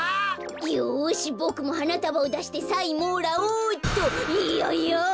よしボクもはなたばをだしてサインもらおうっと。ややっ！